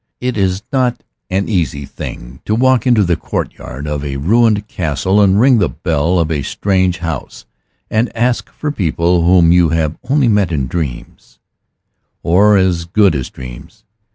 It is not an easy thing to walk into the courtyard of a ruined castle and ring the bell of a strange house and ask for people whom you have only met in dreams, or as good as dreams.